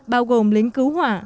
bao gồm lính cứu hỏa